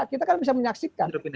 kita kan bisa menyaksikan